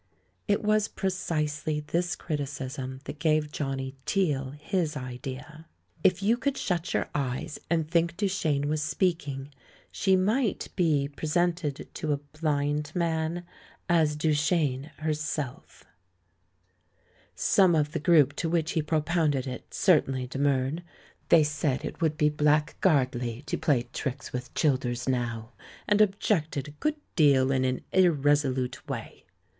It was precisely this criticism that gave John ny Teale his idea. If you could shut your eyes and think Duchene was speaking, she might be presented to a blind man as Duchene herself. Some of the group to which he propounded it certainly demurred. They said it would be black guardly to play tricks with Childers now and ob jected a good deal in an irresolute way.